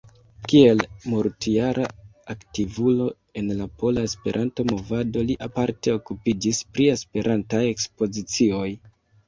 Kiel multjara aktivulo en la pola Esperanto-movado li aparte okupiĝis pri Esperantaj ekspozicioj.